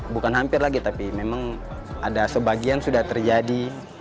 bukan hampir lagi tapi memang ada sebagian sudah terjadi